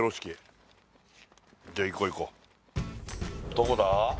どこだ？